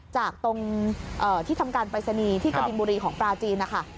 จากตรงเอ่อที่ทำการปริศนีที่กระดิ่งบุรีของปลาจีนนะคะ